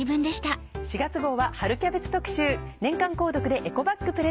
４月号は春キャベツ特集。